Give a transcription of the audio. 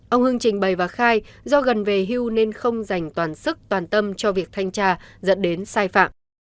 ông hưng trình bày và khai do gần về hưu nên không dành toàn sức toàn tâm cho việc thanh tra dẫn đến sai phạm